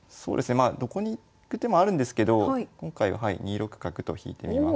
どこに行く手もあるんですけど今回は２六角と引いてみます。